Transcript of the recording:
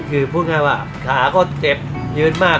คือพูดง่ายว่าขาก็เจ็บยืนมาก